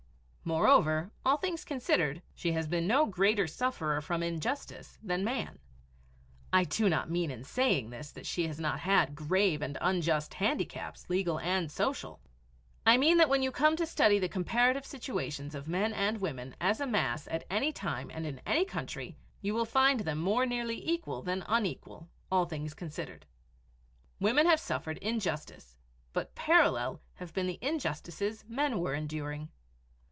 Moreover, all things considered, she has been no greater sufferer from injustice than man. I do not mean in saying this that she has not had grave and unjust handicaps, legal and social; I mean that when you come to study the comparative situations of men and women as a mass at any time and in any country you will find them more nearly equal than unequal, all things considered. Women have suffered injustice, but parallel have been the injustices men were enduring.